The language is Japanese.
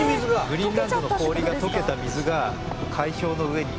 グリーンランドの氷が溶けた水が海氷の上に。